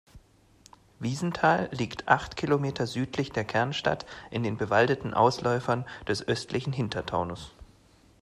Wiesental liegt acht Kilometer südlich der Kernstadt in den bewaldeten Ausläufern des östlichen Hintertaunus.